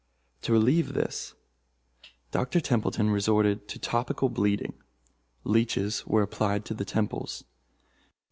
To relieve this, Dr. Templeton resorted to topical bleeding. Leeches were applied to the temples.